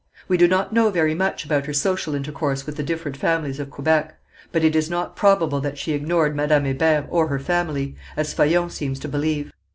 We do not know very much about her social intercourse with the different families of Quebec, but it is not probable that she ignored Madame Hébert or her family, as Faillon seems to believe.